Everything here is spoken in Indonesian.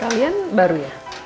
kalian baru ya